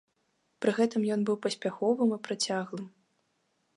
Пры гэтым ён быў паспяховым і працяглым.